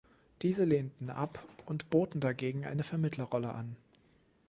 Diese lehnten ab und boten dagegen eine Vermittlerrolle an.